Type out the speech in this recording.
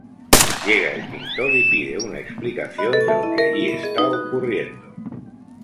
Llega el Pintor y pide una explicación de lo que allí está ocurriendo.